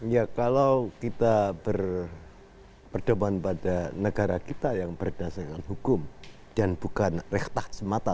ya kalau kita berdoman pada negara kita yang berdasarkan hukum dan bukan rektah semata